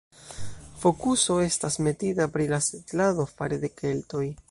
Fokuso estas metita pri la setlado fare de keltoj.